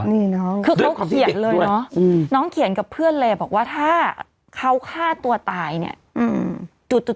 นี่น้องด้วยความที่เด็กด้วยคือเขาเขียนเลยเนอะน้องเขียนกับเพื่อนเลยบอกว่าถ้าเขาฆ่าตัวตายเนี่ยอืม